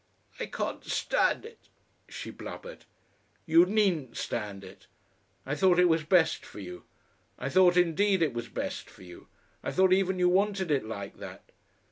"I can't stand it," she blubbered. "You needn't stand it. I thought it was best for you.... I thought indeed it was best for you. I thought even you wanted it like that."